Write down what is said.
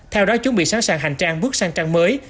theo đó chuẩn bị sẵn sàng hành trang bước sang trang mới